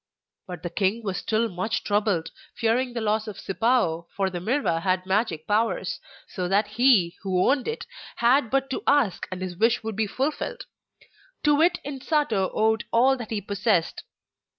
But the king was still much troubled, fearing the loss of Sipao, for the mirror had magic powers, so that he who owned it had but to ask and his wish would be fulfilled; to it Insato owed all that he possessed.